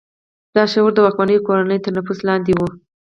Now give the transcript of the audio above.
دا شورا د واکمنې کورنۍ تر نفوذ لاندې وه